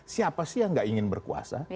siapa sih yang gak ingin berkuasa